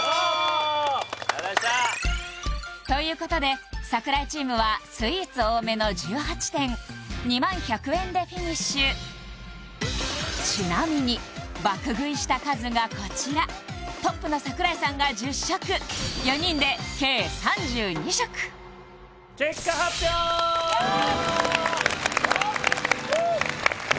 ありがとうございましたということで櫻井チームはスイーツ多めの１８点２０１００円でフィニッシュちなみに爆食いした数がこちらトップの櫻井さんが１０食４人で結果発表よっ！